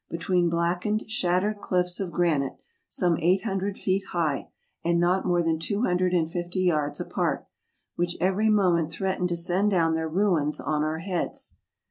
between blackened shattered cliffs of granite, some eight hundred feet high, and not more than two hundred and fifty yards apart; which every moment threatened to send down their ruins on our heads.